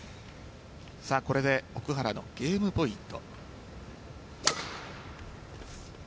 これで奥原がゲームポイント。